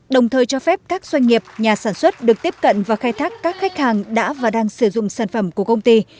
đồng thời cho phép các doanh nghiệp nhà sản xuất được tiếp cận và khai thác các khách hàng đã và đang sử dụng sản phẩm của công ty